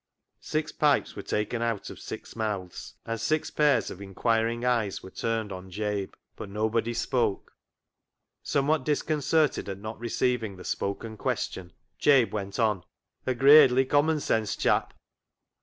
Six pipes were taken out of six mouths, and six pairs of inquiring eyes were turned on Jabe, but nobody spoke. Somewhat discon certed at not receiving the spoken question, Jabe went on —" A gradely commonsense chap."